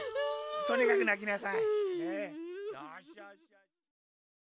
とにかくなきなさい。